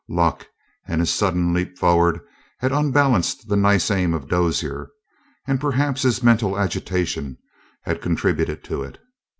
Luck and his sudden leap forward had unbalanced the nice aim of Dozier, and perhaps his mental agitation had contributed to it.